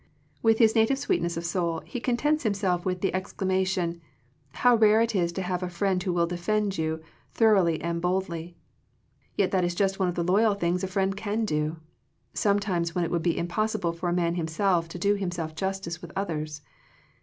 With his native sweetness of soul, he contents himself with the exclamation, " How rare it is to have a friend who will defend you thoroughly and boldly I " Yet that is just one of the loyal things a friend can do, sometimes when it would be impossible for a man himself to do himself justice with others.